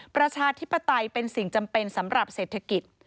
ประชาธิปไตยเป็นสิ่งจำเป็นสำหรับเศรษฐกิจ